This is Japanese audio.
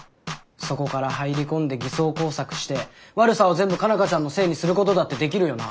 そこから入り込んで偽装工作して悪さを全部佳奈花ちゃんのせいにすることだってできるよな。